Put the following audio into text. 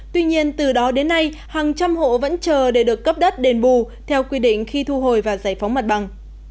tuy nhiên từ đó đến nay hàng trăm hộ vẫn chờ để được cấp đất đền bù theo quy định khi thu hồi và giải phóng mặt bằng